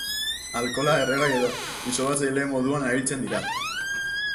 Alkoholak erregai edo disolbatzaile moduan erabiltzen dira.